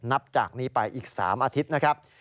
นับจากนี้ไปอีก๓อาทิตย์นะครับ